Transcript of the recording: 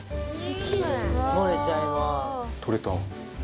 「取れた」